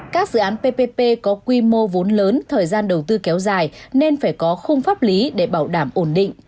các dự án ppp có quy mô vốn lớn thời gian đầu tư kéo dài nên phải có khung pháp lý để bảo đảm ổn định